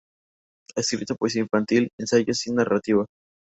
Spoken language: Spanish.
Ha escrito poesía infantil, ensayos y narrativa.